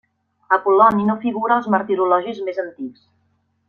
Apol·loni no figura als martirologis més antics.